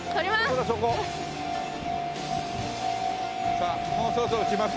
さあもうそろそろ来ます。